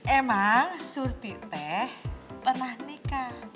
emang surti teh pernah nikah